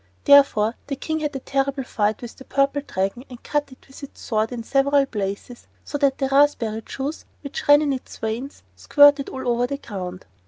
Therefore the King had a terrible fight with the Purple Dragon and cut it with his sword in several places, so that the raspberry juice which ran in its veins squirted all over the ground.